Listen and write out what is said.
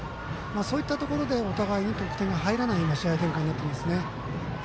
そういったところで、お互いに得点が入らないような試合展開になってきますね。